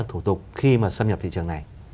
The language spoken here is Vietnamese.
thủ tục khi mà xâm nhập thị trường này